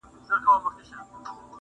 ټول دردونه یې په حکم دوا کېږي٫